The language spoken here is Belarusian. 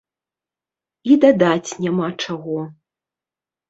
І дадаць няма чаго!